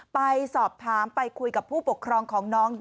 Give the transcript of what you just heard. ไปสอบถามไปคุยกับผู้ปกครองของน้อง